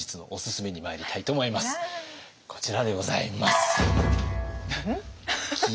こちらでございます。